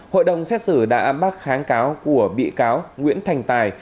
hội đồng xét xử đã bác kháng cáo của bị cáo nguyễn thành tài